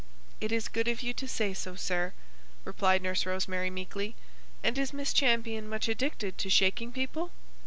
"It is good of you to say so, sir," replied Nurse Rosemary, meekly. "And is Miss Champion much addicted to shaking people?"